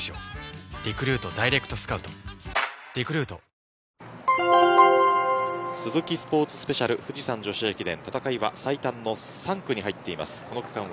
堀尾、大学ラストランスズキスポーツスペシャル富士山女子駅伝、戦いは最短の３区に入っています。